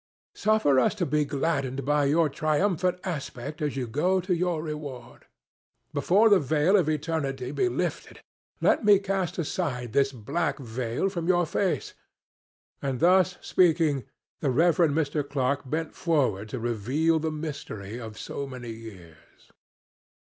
Suffer us to be gladdened by your triumphant aspect as you go to your reward. Before the veil of eternity be lifted let me cast aside this black veil from your face;" and, thus speaking, the Reverend Mr. Clark bent forward to reveal the mystery of so many years.